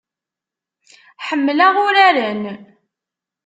Ḥemmleɣ uraren.